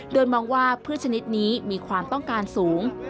โดยมองว่าพืชชนิดนี้มีความต้องการสูง